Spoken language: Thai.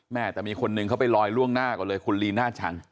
แต่มีคนหนึ่งเขาไปลอยล่วงหน้าก่อนเลยคุณลีน่าชัง